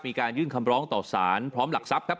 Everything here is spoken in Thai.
มีการยื่นคำร้องต่อสารพร้อมหลักทรัพย์ครับ